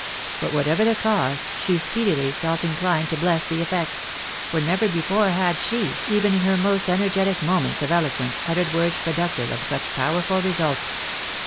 But what ever the cause, she speedily felt inclined to bless the effect ; for never before had she, even in her most energetic moments of eloquence, uttered words productive of such powerful results.